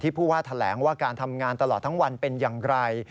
ผู้ว่าแถลงว่าการทำงานตลอดทั้งวันเป็นอย่างไร